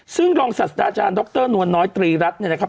ซึ่งรองศาสตราจารย์ดรนวลน้อยตรีรัฐเนี่ยนะครับ